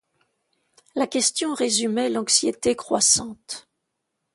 La question résumait l'anxiété croissante.